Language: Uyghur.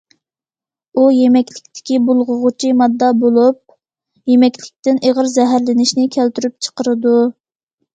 ئۇ يېمەكلىكتىكى بۇلغىغۇچى ماددا بولۇپ، يېمەكلىكتىن ئېغىر زەھەرلىنىشنى كەلتۈرۈپ چىقىرىدۇ.